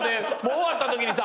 終わったときにさ